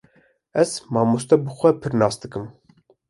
Ez mamoste bi xwe pir nas nakim